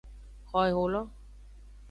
Xo eholo.